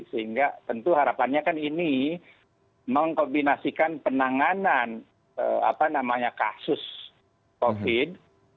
sehingga tentu harapannya kan ini mengkombinasikan penanganan kasus covid